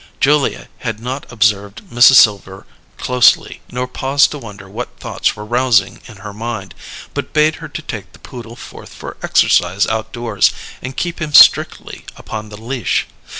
Julia had not observed Mrs. Silver closely nor paused to wonder what thoughts were rousing in her mind, but bade her take the poodle forth for exercise outdoors and keep him strictly upon the leash.